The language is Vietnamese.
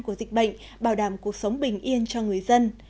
của dịch bệnh bảo đảm cuộc sống bình yên cho người dân